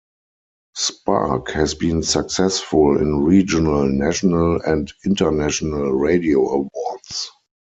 Spark has been successful in regional, national and international radio awards.